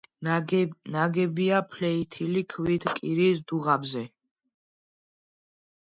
ნაგებია ფლეთილი ქვით კირის დუღაბზე.